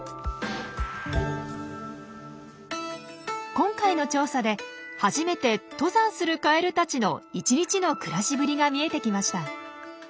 今回の調査で初めて登山するカエルたちの１日の暮らしぶりが見えてきました。